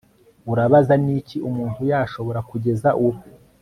Urabaza Niki umuntu yashobora kugeza ubu